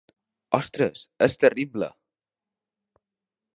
Ostres, és terrible!